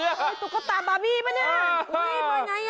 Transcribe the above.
ตุ๊กตาบาบี่ป่าอะนี่กาไว้ไหน